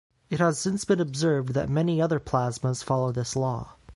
It has since been observed that many other plasmas follow this law.